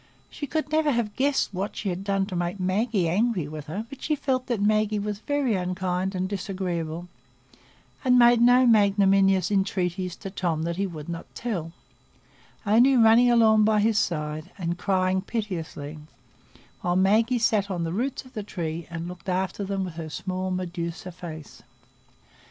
She could never have guessed what she had done to make Maggie angry with her; but she felt that Maggie was very unkind and disagreeable, and made no magnanimous entreaties to Tom that he would not "tell," only running along by his side and crying piteously, while Maggie sat on the roots of the tree and looked after them with her small Medusa face.